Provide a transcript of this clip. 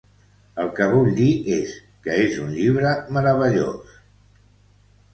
El que vull dir és que es un llibre meravellós.